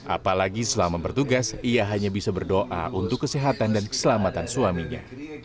apalagi selama bertugas ia hanya bisa berdoa untuk kesehatan dan keselamatan suaminya